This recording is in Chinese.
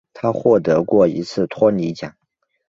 他获得过一次托尼奖。